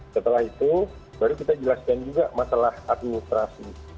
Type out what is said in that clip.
setelah itu baru kita jelaskan juga masalah administrasi